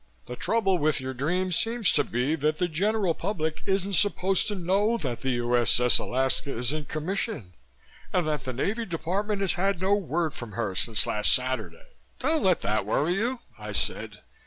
The trouble with your dream seems to be that the general public isn't supposed to know that the U.S.S. Alaska is in commission and that the Navy department has had no word from her since last Saturday." "Don't let that worry you," I said.